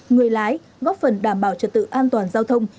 người lái góp phần đảm bảo trật tự an toàn giao thông